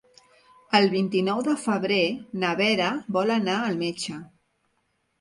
El vint-i-nou de febrer na Vera vol anar al metge.